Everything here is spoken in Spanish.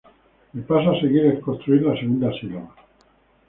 El paso a seguir es construir la segunda sílaba.